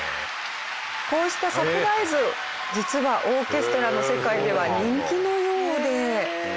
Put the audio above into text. こうしたサプライズ実はオーケストラの世界では人気のようで。